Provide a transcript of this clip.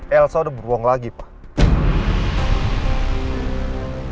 elsa sudah bohong lagi pak